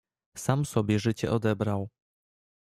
"Sam sobie życie odebrał."